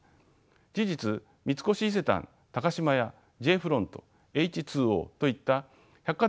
事実三越伊勢丹高島屋Ｊ．フロントＨ２Ｏといった百貨店